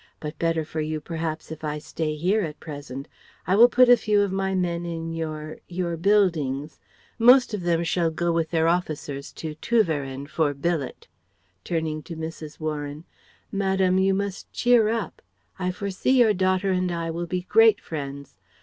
But better for you perhaps if I stay here at present. I will put a few of my men in your your buildings. Most of them shall go with their officers to Tervueren for billet." (Turning to Mrs. Warren.) "Madam, you must cheer up. I foresee your daughter and I will be great friends.